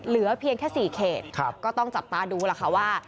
เหลือเพียงแค่๔เขตก็ต้องจับตาดูล่ะค่ะว่า